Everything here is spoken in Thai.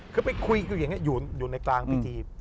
คือไปคุยอย่างนี้อยู่ในกลางพิธี